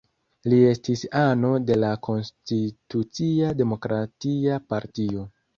Li estis ano de la Konstitucia Demokratia Partio.